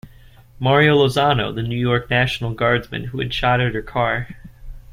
Mario Lozano, the New York National Guardsman who had shot at her car.